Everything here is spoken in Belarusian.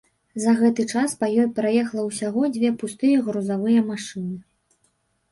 За гэты час па ёй праехала ўсяго дзве пустыя грузавыя машыны.